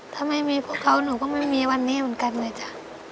ถ้าไม่มีพวกเขาหนูก็ไม่มีวันนี้เหมือนกันเลยจ้ะ